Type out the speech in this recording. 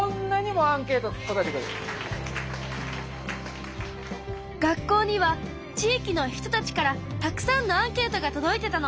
学校には地域の人たちからたくさんのアンケートが届いてたの。